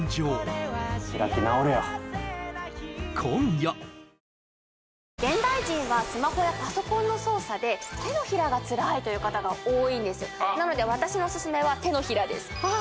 あ現代人はスマホやパソコンの操作で手のひらがツラいという方が多いんですなので私のおすすめは手のひらですあ